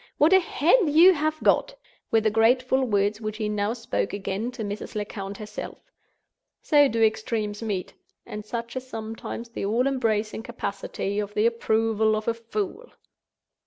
"What a head you have got!" were the grateful words which he now spoke again to Mrs. Lecount herself. So do extremes meet; and such is sometimes the all embracing capacity of the approval of a fool!